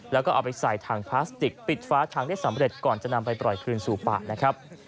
แล้วก็เอาไปใส่ถังพลาสติกปิดฟ้าถังได้สำเร็จก่อนจะนำไปปล่อยคืนสู่ป่านะครับ